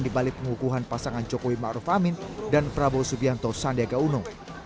dibalik pengukuhan pasangan jokowi ma'ruf amin dan prabowo subianto sandiaga uno